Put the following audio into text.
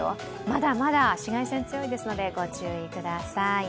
まだまだ紫外線、強いですので、ご注意ください。